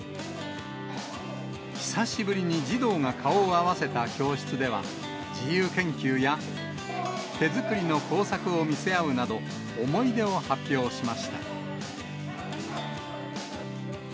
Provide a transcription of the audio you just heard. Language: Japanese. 久しぶりに児童が顔を合わせた教室では、自由研究や、手作りの工作を見せ合うなど、思い出を発表しました。